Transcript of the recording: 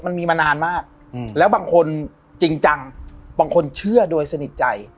มันมีมานานมากแล้วบางคนจริงจังบางคนเชื่อโดยสนิทใจ